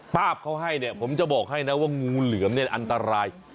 ภาพเขาให้เนี่ยผมจะบอกให้นะว่างูเหลือมเนี่ยอันตราย